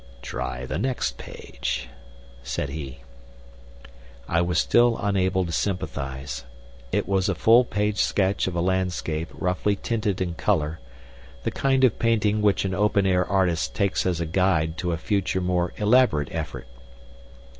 "Try the next page," said he. I was still unable to sympathize. It was a full page sketch of a landscape roughly tinted in color the kind of painting which an open air artist takes as a guide to a future more elaborate effort.